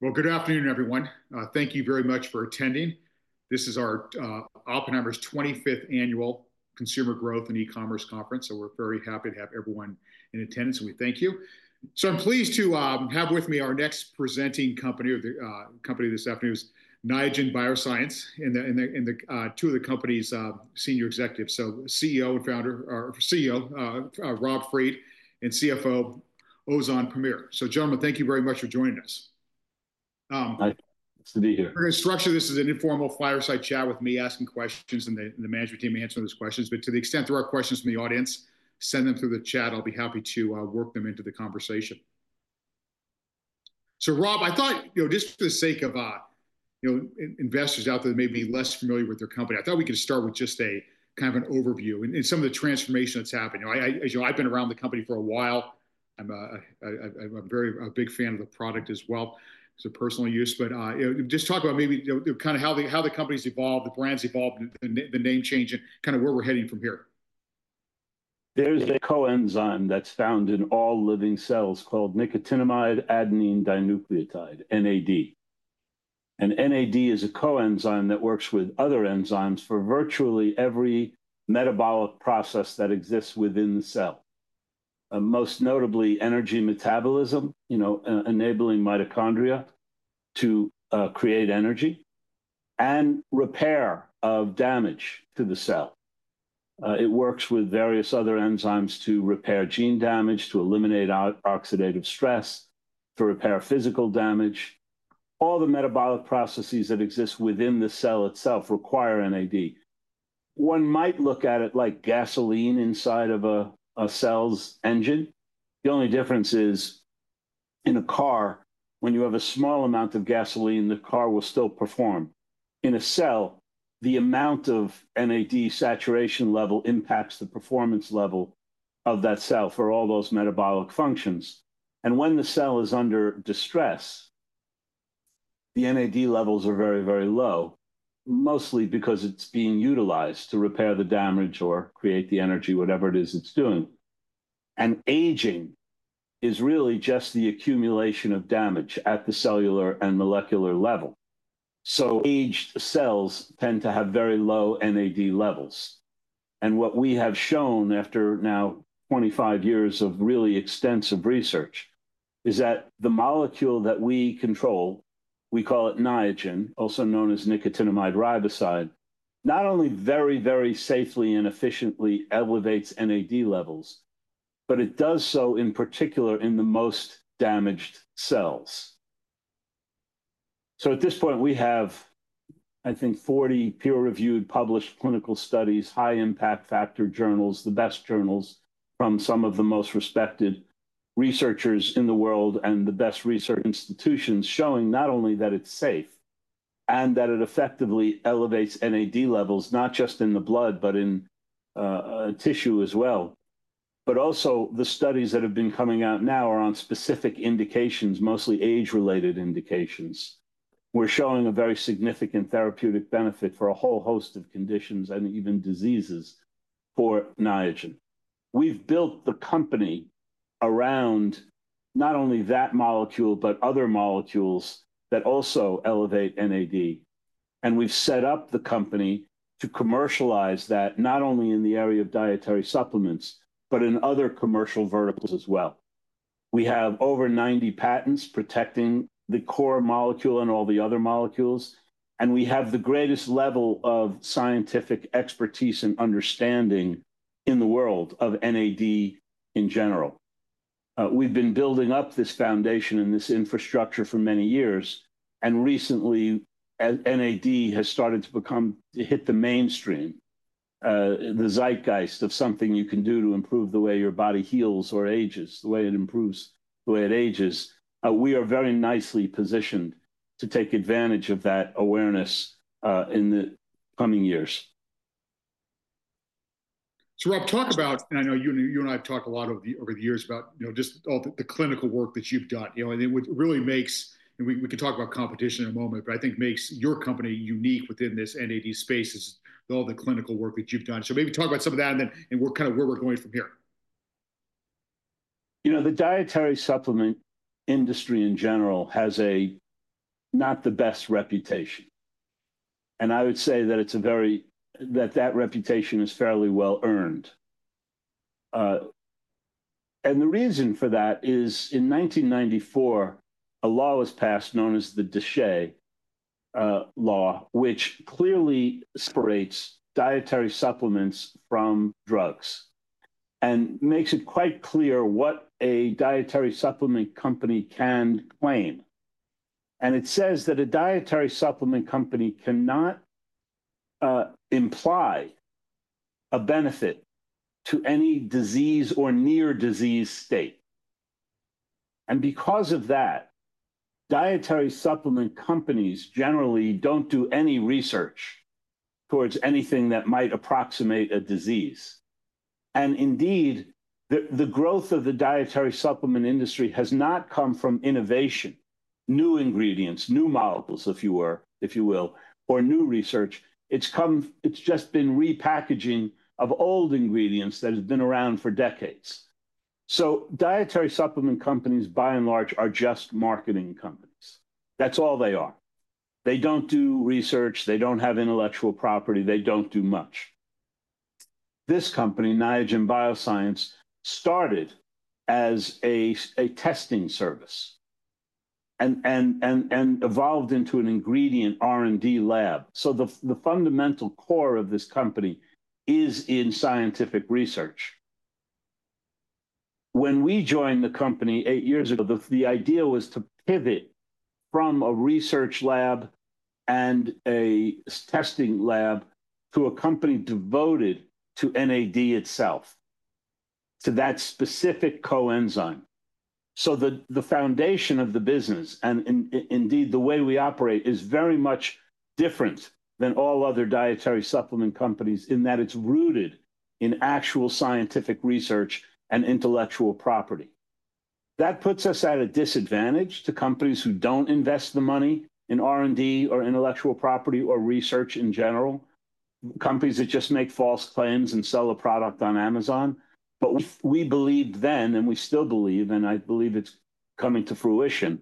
Good afternoon, everyone. Thank you very much for attending. This is our Oppenheimer 25th Annual Consumer Growth and E-commerce Conference, so we are very happy to have everyone in attendance, and we thank you. I am pleased to have with me our next presenting company this afternoon, Niagen Bioscience, and two of the company's senior executives, CEO and Founder Rob Fried, and CFO Ozan Pamir. Gentlemen, thank you very much for joining us. Nice to be here. We're going to structure this as an informal fireside chat with me asking questions, and the management team will answer those questions. To the extent there are questions from the audience, send them through the chat. I'll be happy to work them into the conversation. Rob, I thought, just for the sake of investors out there that may be less familiar with your company, I thought we could start with just a kind of an overview and some of the transformation that's happened. As you know, I've been around the company for a while. I'm a very big fan of the product as well for personal use. Just talk about maybe kind of how the company's evolved, the brand's evolved, the name change, and kind of where we're heading from here. There's a coenzyme that's found in all living cells called nicotinamide adenine dinucleotide, NAD+. NAD+ is a coenzyme that works with other enzymes for virtually every metabolic process that exists within the cell, most notably energy metabolism, enabling mitochondria to create energy and repair of damage to the cell. It works with various other enzymes to repair gene damage, to eliminate oxidative stress, to repair physical damage. All the metabolic processes that exist within the cell itself require NAD+. One might look at it like gasoline inside of a cell's engine. The only difference is, in a car, when you have a small amount of gasoline, the car will still perform. In a cell, the amount of NAD+ saturation level impacts the performance level of that cell for all those metabolic functions. When the cell is under distress, the NAD+ levels are very, very low, mostly because it's being utilized to repair the damage or create the energy, whatever it is it's doing. Aging is really just the accumulation of damage at the cellular and molecular level. Aged cells tend to have very low NAD+ levels. What we have shown after now 25 years of really extensive research is that the molecule that we control, we call it Niagen, also known as nicotinamide riboside, not only very, very safely and efficiently elevates NAD+ levels, but it does so in particular in the most damaged cells. At this point, we have, I think, 40 peer-reviewed, published clinical studies, high-impact factor journals, the best journals from some of the most respected researchers in the world and the best research institutions, showing not only that it's safe and that it effectively elevates NAD+ levels, not just in the blood, but in tissue as well. Also, the studies that have been coming out now are on specific indications, mostly age-related indications, where showing a very significant therapeutic benefit for a whole host of conditions and even diseases for Niagen. We've built the company around not only that molecule, but other molecules that also elevate NAD+. We've set up the company to commercialize that not only in the area of dietary supplements, but in other commercial verticals as well. We have over 90 patents protecting the core molecule and all the other molecules. We have the greatest level of scientific expertise and understanding in the world of NAD+ in general. We have been building up this foundation and this infrastructure for many years. Recently, as NAD+ has started to hit the mainstream, the zeitgeist of something you can do to improve the way your body heals or ages, the way it improves the way it ages, we are very nicely positioned to take advantage of that awareness in the coming years. Rob, talk about, and I know you and I have talked a lot over the years about just all the clinical work that you have done. It really makes, and we can talk about competition in a moment, but I think what makes your company unique within this NAD+ space is all the clinical work that you have done. Maybe talk about some of that and kind of where we are going from here. You know, the dietary supplement industry in general has not the best reputation. I would say that it's a very, that that reputation is fairly well earned. The reason for that is, in 1994, a law was passed known as the DSHEA law, which clearly separates dietary supplements from drugs and makes it quite clear what a dietary supplement company can claim. It says that a dietary supplement company cannot imply a benefit to any disease or near disease state. Because of that, dietary supplement companies generally don't do any research towards anything that might approximate a disease. Indeed, the growth of the dietary supplement industry has not come from innovation, new ingredients, new molecules, if you will, or new research. It's just been repackaging of old ingredients that have been around for decades. Dietary supplement companies, by and large, are just marketing companies. That's all they are. They don't do research. They don't have intellectual property. They don't do much. This company, Niagen Bioscience, started as a testing service and evolved into an ingredient R&D lab. So the fundamental core of this company is in scientific research. When we joined the company eight years ago, the idea was to pivot from a research lab and a testing lab to a company devoted to NAD+ itself, to that specific coenzyme. So the foundation of the business, and indeed the way we operate, is very much different than all other dietary supplement companies in that it's rooted in actual scientific research and intellectual property. That puts us at a disadvantage to companies who don't invest the money in R&D or intellectual property or research in general, companies that just make false claims and sell a product on Amazon. We believed then, and we still believe, and I believe it's coming to fruition,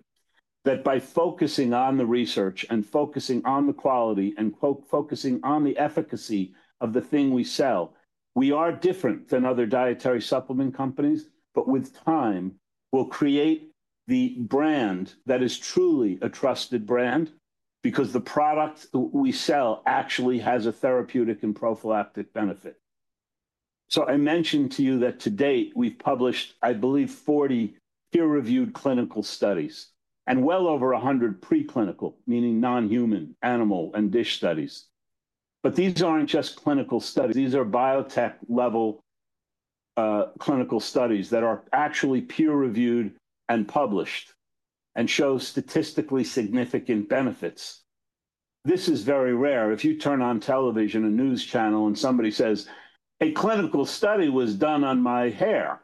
that by focusing on the research and focusing on the quality and focusing on the efficacy of the thing we sell, we are different than other dietary supplement companies. With time, we'll create the brand that is truly a trusted brand because the product we sell actually has a therapeutic and prophylactic benefit. I mentioned to you that to date, we've published, I believe, 40 peer-reviewed clinical studies and well over 100 preclinical, meaning non-human, animal, and dish studies. These are not just clinical studies. These are biotech-level clinical studies that are actually peer-reviewed and published and show statistically significant benefits. This is very rare. If you turn on television, a news channel, and somebody says, "A clinical study was done on my hair."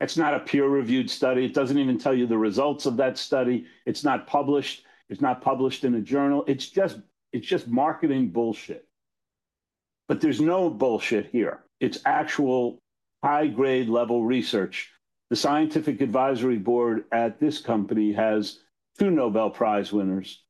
It's not a peer-reviewed study. It doesn't even tell you the results of that study. It's not published. It's not published in a journal. It's just marketing bullshit. There's no bullshit here. It's actual high-grade level research. The Scientific Advisory Board at this company has two Nobel Prize winners,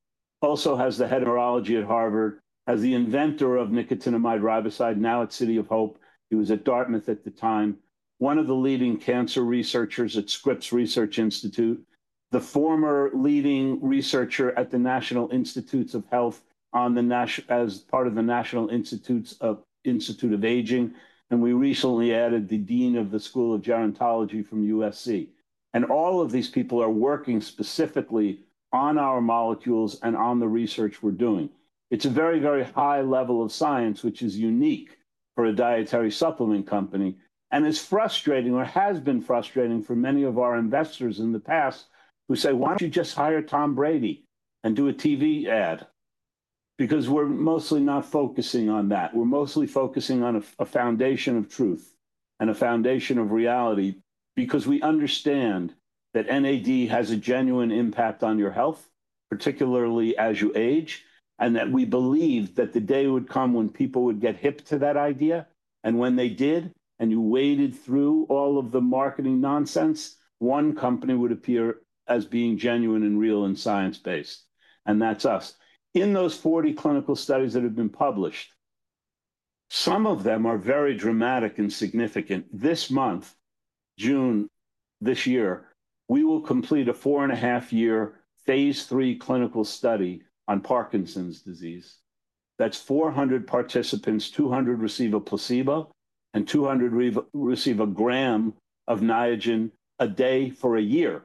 also has the Head of Neurology at Harvard, has the inventor of nicotinamide riboside, now at City of Hope. He was at Dartmouth at the time, one of the leading cancer researchers at Scripps Research Institute, the former leading researcher at the National Institutes of Health as part of the National Institute of Aging. We recently added the dean of the School of Gerontology from USC. All of these people are working specifically on our molecules and on the research we're doing. It's a very, very high level of science, which is unique for a dietary supplement company. It's frustrating, or has been frustrating for many of our investors in the past, who say, "Why don't you just hire Tom Brady and do a TV ad?" Because we're mostly not focusing on that. We're mostly focusing on a foundation of truth and a foundation of reality because we understand that NAD+ has a genuine impact on your health, particularly as you age, and that we believe that the day would come when people would get hip to that idea. When they did, and you waded through all of the marketing nonsense, one company would appear as being genuine and real and science-based. That's us. In those 40 clinical studies that have been published, some of them are very dramatic and significant. This month, June this year, we will complete a four-and-a-half-year phase three clinical study on Parkinson's disease. That's 400 participants, 200 receive a placebo, and 200 receive a gram of Niagen a day for a year.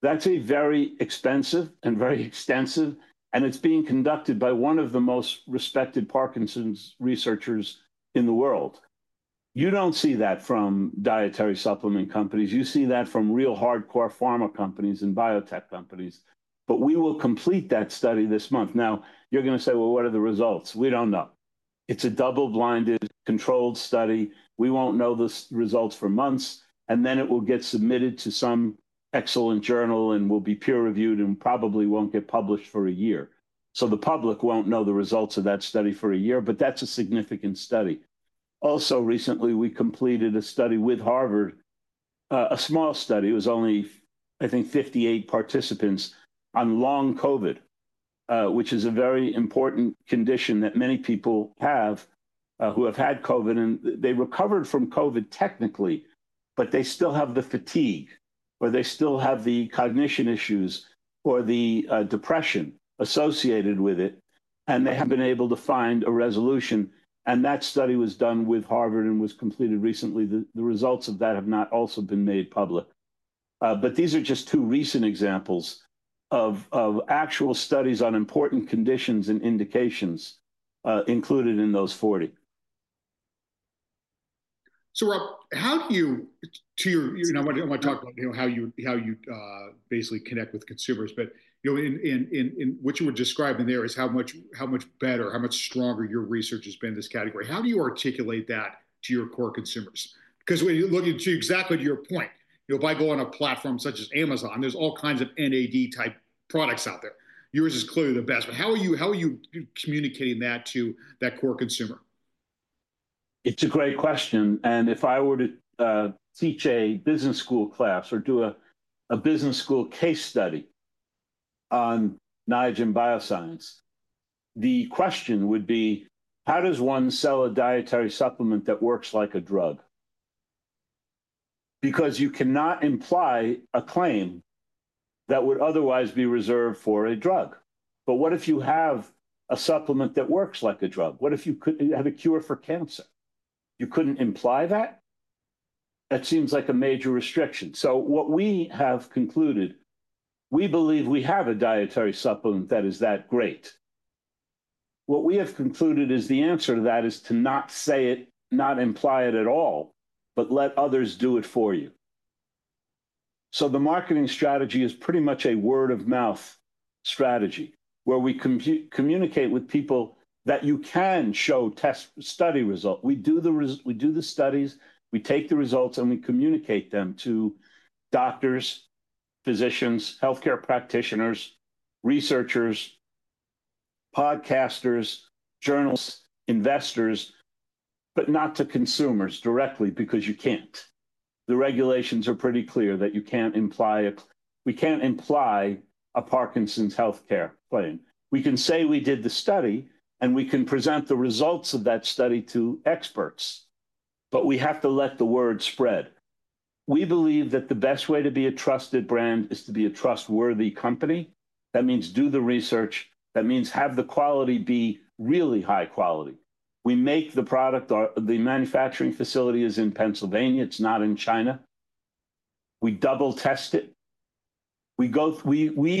That's very expensive and very extensive. It is being conducted by one of the most respected Parkinson's researchers in the world. You do not see that from dietary supplement companies. You see that from real hardcore pharma companies and biotech companies. We will complete that study this month. You are going to say, "Well, what are the results?" We do not know. It is a double-blinded, controlled study. We will not know the results for months. It will get submitted to some excellent journal and will be peer-reviewed and probably will not get published for a year. The public will not know the results of that study for a year. That is a significant study. Also, recently, we completed a study with Harvard, a small study. It was only, I think, 58 participants on long COVID, which is a very important condition that many people have who have had COVID. They recovered from COVID technically, but they still have the fatigue or they still have the cognition issues or the depression associated with it. They have been able to find a resolution. That study was done with Harvard and was completed recently. The results of that have not also been made public. These are just two recent examples of actual studies on important conditions and indications included in those 40. Rob, how do you, to your, I want to talk about how you basically connect with consumers. What you were describing there is how much better, how much stronger your research has been in this category. How do you articulate that to your core consumers? Because when you look at exactly to your point, if I go on a platform such as Amazon, there are all kinds of NAD+ type products out there. Yours is clearly the best. How are you communicating that to that core consumer? It's a great question. If I were to teach a business school class or do a business school case study on Niagen Bioscience, the question would be, how does one sell a dietary supplement that works like a drug? You cannot imply a claim that would otherwise be reserved for a drug. What if you have a supplement that works like a drug? What if you have a cure for cancer? You couldn't imply that? That seems like a major restriction. What we have concluded, we believe we have a dietary supplement that is that great. What we have concluded is the answer to that is to not say it, not imply it at all, but let others do it for you. The marketing strategy is pretty much a word-of-mouth strategy where we communicate with people that you can show test study results. We do the studies, we take the results, and we communicate them to doctors, physicians, healthcare practitioners, researchers, podcasters, journalists, investors, but not to consumers directly because you can't. The regulations are pretty clear that you can't imply a Parkinson's healthcare claim. We can say we did the study, and we can present the results of that study to experts. We have to let the word spread. We believe that the best way to be a trusted brand is to be a trustworthy company. That means do the research. That means have the quality be really high quality. We make the product. The manufacturing facility is in Pennsylvania. It's not in China. We double test it. We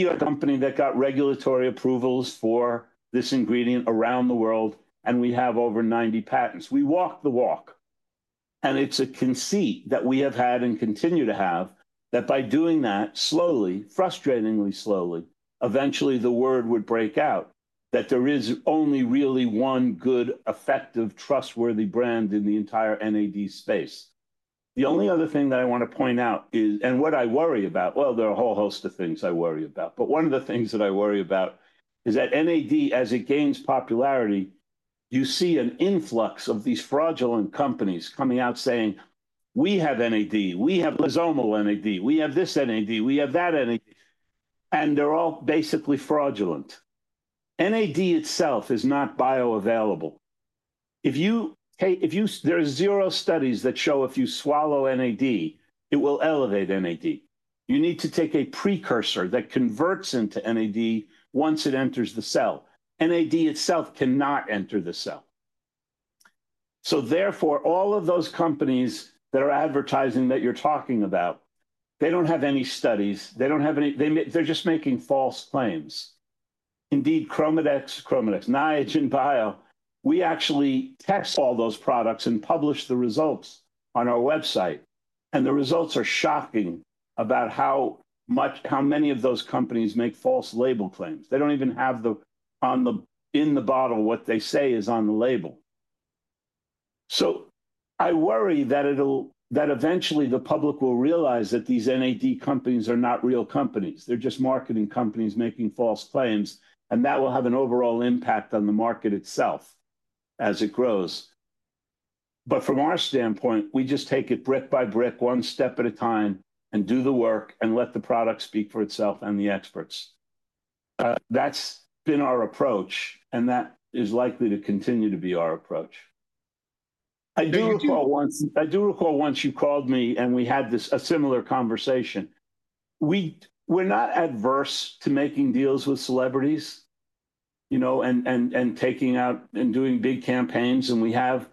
are a company that got regulatory approvals for this ingredient around the world, and we have over 90 patents. We walk the walk. It is a conceit that we have had and continue to have that by doing that slowly, frustratingly slowly, eventually the word would break out that there is only really one good, effective, trustworthy brand in the entire NAD+ space. The only other thing that I want to point out is, what I worry about, well, there are a whole host of things I worry about. One of the things that I worry about is that NAD+, as it gains popularity, you see an influx of these fraudulent companies coming out saying, "We have NAD+. We have liposomal NAD+. We have this NAD+. We have that NAD+." They are all basically fraudulent. NAD+ itself is not bioavailable. There are zero studies that show if you swallow NAD+, it will elevate NAD+. You need to take a precursor that converts into NAD+ once it enters the cell. NAD itself cannot enter the cell. Therefore, all of those companies that are advertising that you're talking about, they don't have any studies. They're just making false claims. Indeed, ChromaDex, Niagen Bioscience, we actually test all those products and publish the results on our website. The results are shocking about how many of those companies make false label claims. They don't even have in the bottle what they say is on the label. I worry that eventually the public will realize that these NAD+ companies are not real companies. They're just marketing companies making false claims. That will have an overall impact on the market itself as it grows. From our standpoint, we just take it brick by brick, one step at a time, and do the work and let the product speak for itself and the experts. That's been our approach, and that is likely to continue to be our approach. I do recall once you called me, and we had a similar conversation. We're not adverse to making deals with celebrities, you know, and taking out and doing big campaigns. We have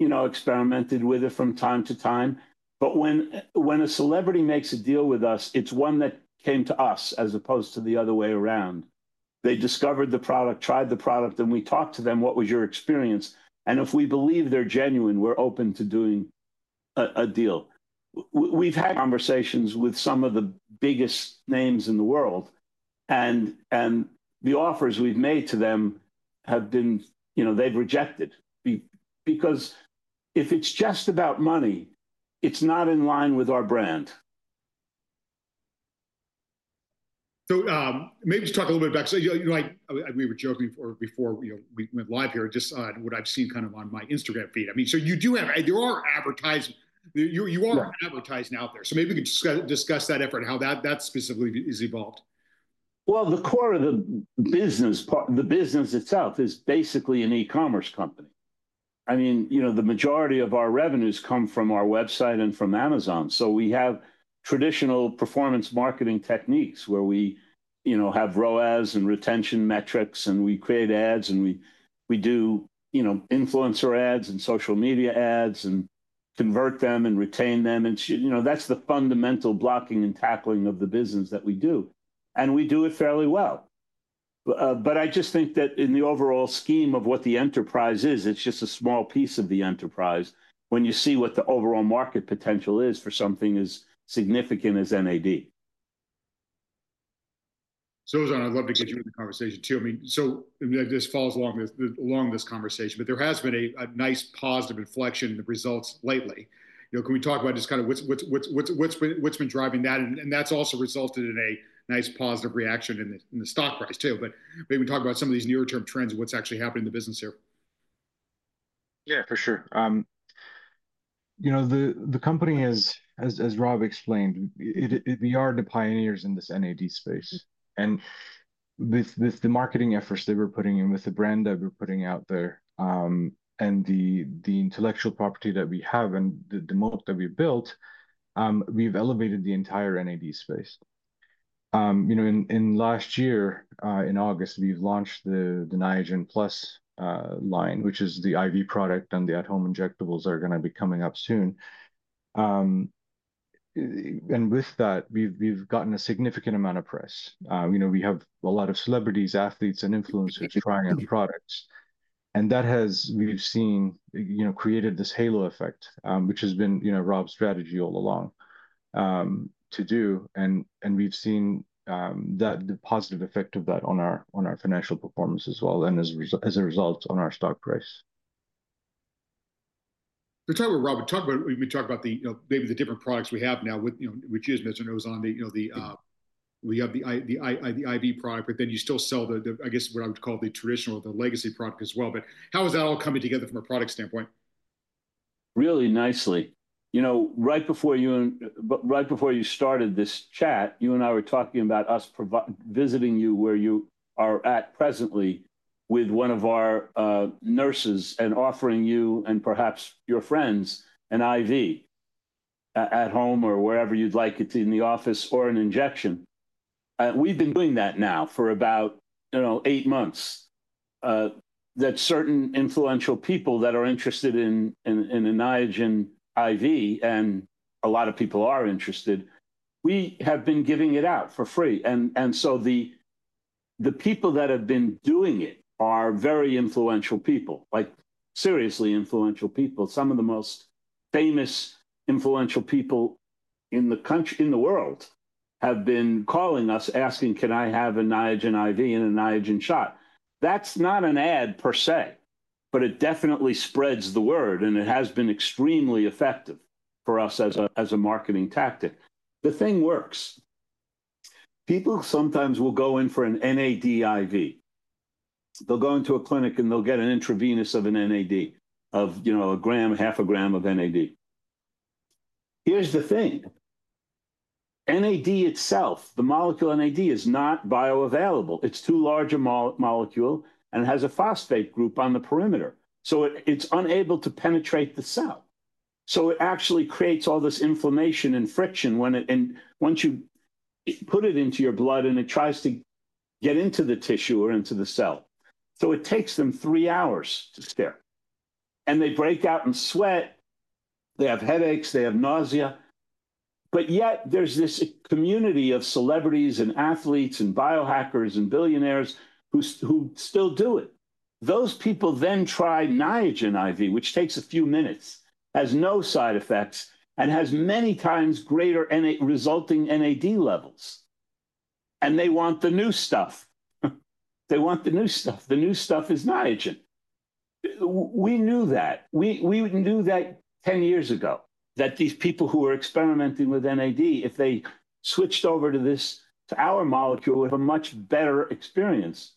experimented with it from time to time. When a celebrity makes a deal with us, it's one that came to us as opposed to the other way around. They discovered the product, tried the product, and we talked to them, what was your experience? If we believe they're genuine, we're open to doing a deal. We've had conversations with some of the biggest names in the world. The offers we've made to them have been, you know, they've rejected because if it's just about money, it's not in line with our brand. Maybe just talk a little bit back. I agree we were joking before we went live here, just what I've seen kind of on my Instagram feed. I mean, you do have, there are advertisers. You are advertising out there. Maybe we could discuss that effort, how that specifically has evolved. The core of the business, the business itself is basically an e-commerce company. I mean, you know, the majority of our revenues come from our website and from Amazon. We have traditional performance marketing techniques where we have ROAS and retention metrics, and we create ads, and we do influencer ads and social media ads and convert them and retain them. That is the fundamental blocking and tackling of the business that we do. We do it fairly well. I just think that in the overall scheme of what the enterprise is, it's just a small piece of the enterprise when you see what the overall market potential is for something as significant as NAD+. Ozan, I'd love to get you in the conversation too. I mean, this falls along this conversation, but there has been a nice positive inflection in the results lately. Can we talk about just kind of what's been driving that? That's also resulted in a nice positive reaction in the stock price too. Maybe we can talk about some of these near-term trends, what's actually happening in the business here. Yeah, for sure. You know, the company, as Rob explained, we are the pioneers in this NAD+ space. With the marketing efforts that we're putting in, with the brand that we're putting out there, and the intellectual property that we have, and the moat that we've built, we've elevated the entire NAD+ space. Last year, in August, we've launched the Niagen Plus line, which is the IV product, and the at-home injectables are going to be coming up soon. With that, we've gotten a significant amount of press. We have a lot of celebrities, athletes, and influencers trying our products. That has, we've seen, created this halo effect, which has been Rob's strategy all along to do. We've seen the positive effect of that on our financial performance as well, and as a result, on our stock price. Talk about, Rob, we talked about maybe the different products we have now, which is, as I know, Ozan, we have the IV product, but then you still sell the, I guess, what I would call the traditional, the legacy product as well. How is that all coming together from a product standpoint? Really nicely. You know, right before you started this chat, you and I were talking about us visiting you where you are at presently with one of our nurses and offering you and perhaps your friends an IV at home or wherever you'd like it to be, in the office or an injection. We've been doing that now for about eight months that certain influential people that are interested in a Niagen IV, and a lot of people are interested, we have been giving it out for free. The people that have been doing it are very influential people, like seriously influential people. Some of the most famous influential people in the world have been calling us asking, "Can I have a Niagen IV and a Niagen shot?" That is not an ad per se, but it definitely spreads the word, and it has been extremely effective for us as a marketing tactic. The thing works. People sometimes will go in for an NAD+ IV. They will go into a clinic and they will get an intravenous of an NAD+, of a gram, half a gram of NAD+. Here is the thing. NAD+ itself, the molecule NAD+, is not bioavailable. It is too large a molecule, and it has a phosphate group on the perimeter. It is unable to penetrate the cell. It actually creates all this inflammation and friction once you put it into your blood, and it tries to get into the tissue or into the cell. It takes them three hours to stare. They break out in sweat. They have headaches. They have nausea. Yet there is this community of celebrities and athletes and biohackers and billionaires who still do it. Those people then try Niagen IV, which takes a few minutes, has no side effects, and has many times greater resulting NAD+ levels. They want the new stuff. They want the new stuff. The new stuff is Niagen. We knew that. We knew that 10 years ago that these people who were experimenting with NAD+, if they switched over to our molecule, would have a much better experience.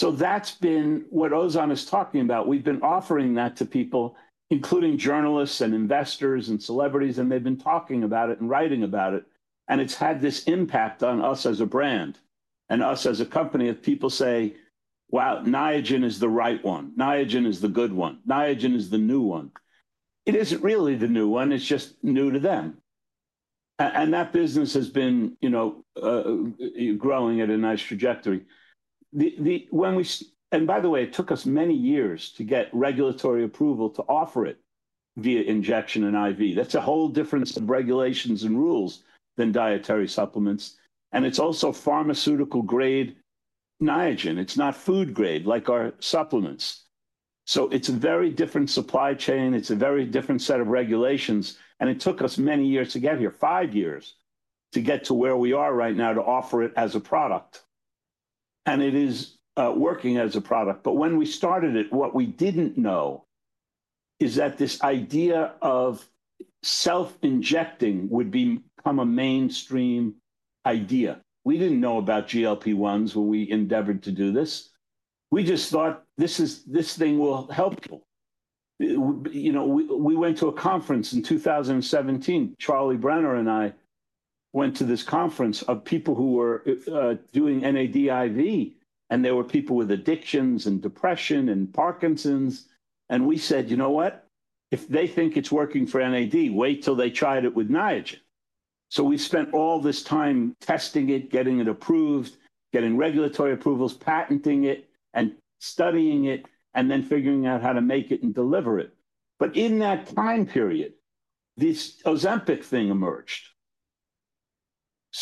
That has been what Ozan is talking about. We have been offering that to people, including journalists and investors and celebrities, and they have been talking about it and writing about it. It has had this impact on us as a brand and us as a company as people say, "Wow, Niagen is the right one. Niagen is the good one. Niagen is the new one." It is not really the new one. It is just new to them. That business has been growing at a nice trajectory. By the way, it took us many years to get regulatory approval to offer it via injection and IV. That is a whole different set of regulations and rules than dietary supplements. It is also pharmaceutical-grade Niagen. It is not food-grade like our supplements. It is a very different supply chain. It is a very different set of regulations. It took us many years to get here, five years, to get to where we are right now to offer it as a product. It is working as a product. When we started it, what we didn't know is that this idea of self-injecting would become a mainstream idea. We didn't know about GLP-1s when we endeavored to do this. We just thought, "This thing will help people." We went to a conference in 2017. Charles Brenner and I went to this conference of people who were doing NAD+ IV, and there were people with addictions and depression and Parkinson's. We said, "You know what? If they think it's working for NAD+, wait till they try it with Niagen." We spent all this time testing it, getting it approved, getting regulatory approvals, patenting it, and studying it, and then figuring out how to make it and deliver it. In that time period, this Ozempic thing emerged.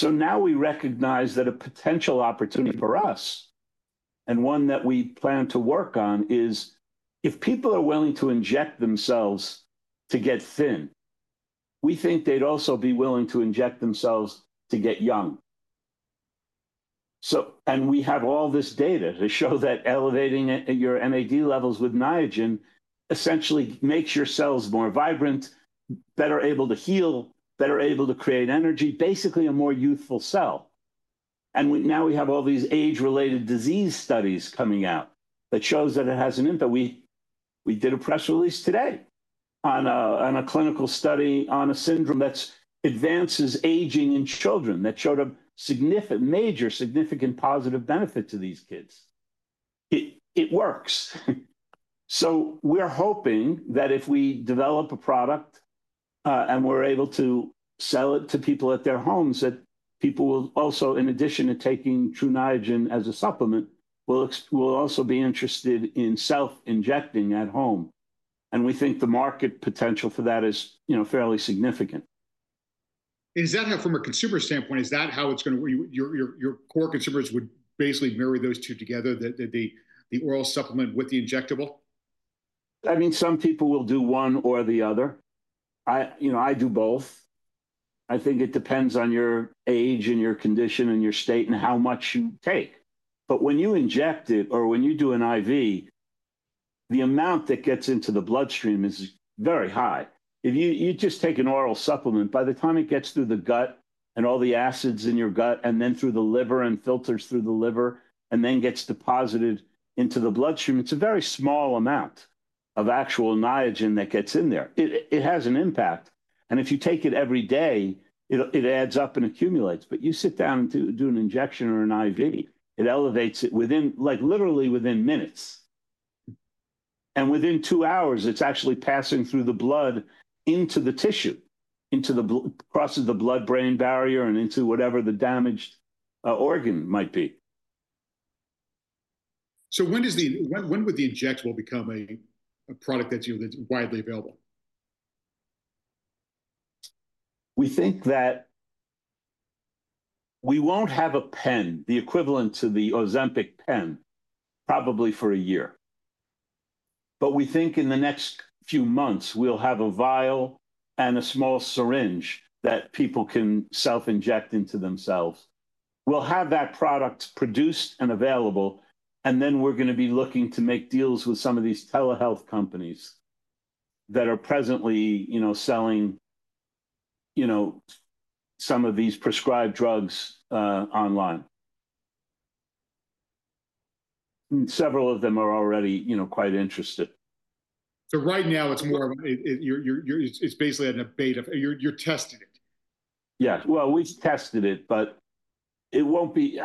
Now we recognize that a potential opportunity for us, and one that we plan to work on, is if people are willing to inject themselves to get thin, we think they'd also be willing to inject themselves to get young. We have all this data to show that elevating your NAD+ levels with Niagen essentially makes your cells more vibrant, better able to heal, better able to create energy, basically a more youthful cell. Now we have all these age-related disease studies coming out that show that it has an impact. We did a press release today on a clinical study on a syndrome that advances aging in children that showed a major significant positive benefit to these kids. It works. We're hoping that if we develop a product and we're able to sell it to people at their homes, that people will also, in addition to taking Tru Niagen as a supplement, will also be interested in self-injecting at home. We think the market potential for that is fairly significant. Is that how, from a consumer standpoint, is that how it is going to, your core consumers would basically marry those two together, the oral supplement with the injectable? I mean, some people will do one or the other. I do both. I think it depends on your age and your condition and your state and how much you take. When you inject it or when you do an IV, the amount that gets into the bloodstream is very high. If you just take an oral supplement, by the time it gets through the gut and all the acids in your gut and then through the liver and filters through the liver and then gets deposited into the bloodstream, it's a very small amount of actual Niagen that gets in there. It has an impact. If you take it every day, it adds up and accumulates. You sit down to do an injection or an IV, it elevates it literally within minutes. Within two hours, it's actually passing through the blood into the tissue, across the blood-brain barrier and into whatever the damaged organ might be. When would the injectable become a product that's widely available? We think that we won't have a pen, the equivalent to the Ozempic pen, probably for a year. We think in the next few months, we'll have a vial and a small syringe that people can self-inject into themselves. We'll have that product produced and available. We are going to be looking to make deals with some of these telehealth companies that are presently selling some of these prescribed drugs online. Several of them are already quite interested. Right now, it's basically at an abate of you're testing it. Yeah. We have tested it, but I do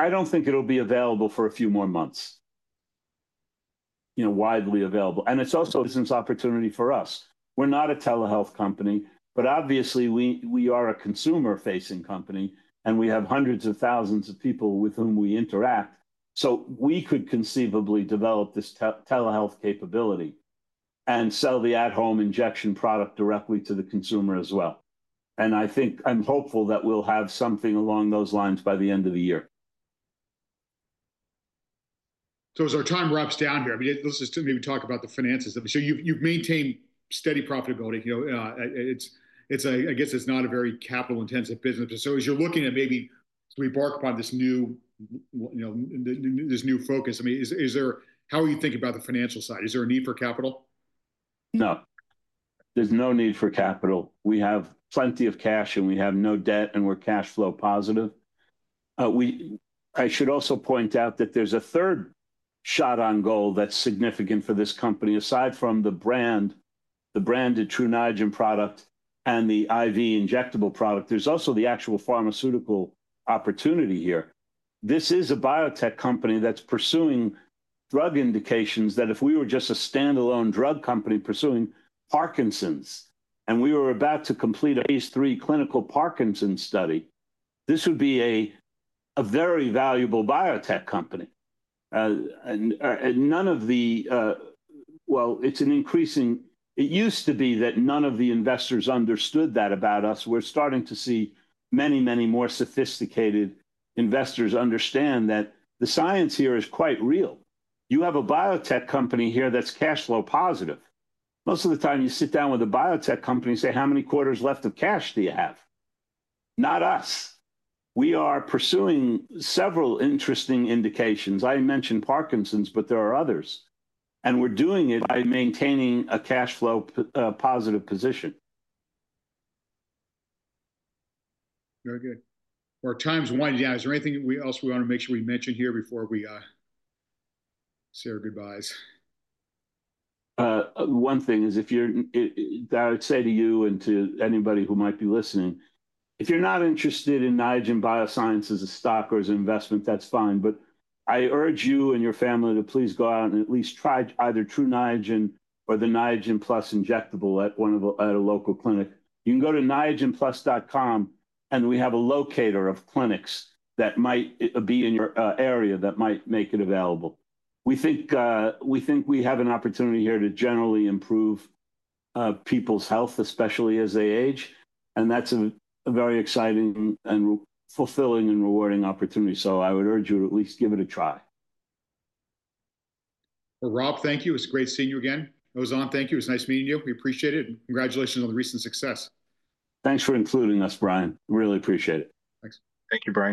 not think it will be available for a few more months, widely available. It is also a business opportunity for us. We are not a telehealth company, but obviously, we are a consumer-facing company, and we have hundreds of thousands of people with whom we interact. We could conceivably develop this telehealth capability and sell the at-home injection product directly to the consumer as well. I think I am hopeful that we will have something along those lines by the end of the year. As our time wraps down here, let's just maybe talk about the finances. You've maintained steady profitability. I guess it's not a very capital-intensive business. As you're looking at maybe to embark upon this new focus, I mean, how are you thinking about the financial side? Is there a need for capital? No. There's no need for capital. We have plenty of cash, and we have no debt, and we're cash flow positive. I should also point out that there's a third shot on goal that's significant for this company. Aside from the brand, the branded Tru Niagen product and the IV injectable product, there's also the actual pharmaceutical opportunity here. This is a biotech company that's pursuing drug indications that if we were just a standalone drug company pursuing Parkinson's, and we were about to complete a phase III clinical Parkinson's study, this would be a very valuable biotech company. It's an increasing, it used to be that none of the investors understood that about us. We're starting to see many, many more sophisticated investors understand that the science here is quite real. You have a biotech company here that's cash flow positive. Most of the time, you sit down with a biotech company and say, "How many quarters left of cash do you have?" Not us. We are pursuing several interesting indications. I mentioned Parkinson's, but there are others. We are doing it by maintaining a cash flow positive position. Very good. Our time's winding down. Is there anything else we want to make sure we mention here before we say our goodbyes? One thing is, I would say to you and to anybody who might be listening, if you're not interested in Niagen Bioscience as a stock or as an investment, that's fine. I urge you and your family to please go out and at least try either Tru Niagen or the Niagen Plus injectable at a local clinic. You can go to niagenplus.com, and we have a locator of clinics that might be in your area that might make it available. We think we have an opportunity here to generally improve people's health, especially as they age. That's a very exciting and fulfilling and rewarding opportunity. I would urge you to at least give it a try. Rob, thank you. It was great seeing you again. Ozan, thank you. It was nice meeting you. We appreciate it. Congratulations on the recent success. Thanks for including us, Brian. Really appreciate it. Thanks. Thank you, Brian.